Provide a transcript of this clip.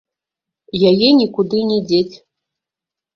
Яе нікуды не дзець.